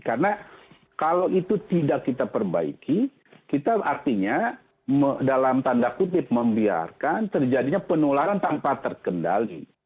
karena kalau itu tidak kita perbaiki kita artinya dalam tanda kutip membiarkan terjadinya penularan tanpa terkendali